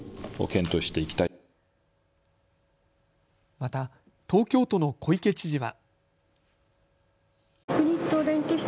また東京都の小池知事は。